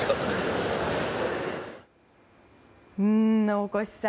大越さん